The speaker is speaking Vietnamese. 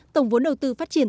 tổng vốn đầu tư phát triển